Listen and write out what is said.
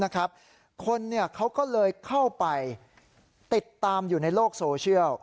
คนเขาก็เลยเข้าไปติดตามอยู่ในโลกโซเชียล